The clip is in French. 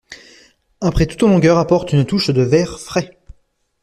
Un pré tout en longueur apporte une touche de vert frais.